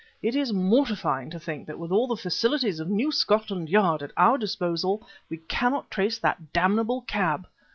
It is mortifying to think that with all the facilities of New Scotland Yard at our disposal we cannot trace that damnable cab!